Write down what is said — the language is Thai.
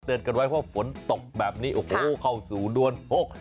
เตือนกันไว้ว่าฝนตกแบบนี้เข้าสู่ดวนพก